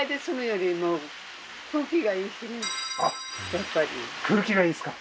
やっぱり空気がいいですか？